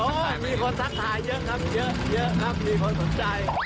มีคนทักทายเยอะครับเยอะครับมีคนสนใจ